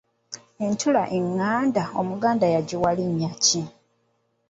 Entula enganda Omuganda yagiwa linnya ki?